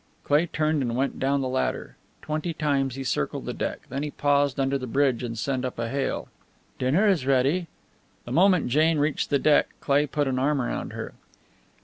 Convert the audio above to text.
Cleigh turned and went down the ladder. Twenty times he circled the deck; then he paused under the bridge and sent up a hail. "Dinner is ready!" The moment Jane reached the deck Cleigh put an arm round her.